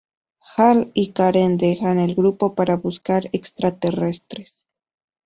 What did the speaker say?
Hal y Karen dejan el grupo para buscar extraterrestres.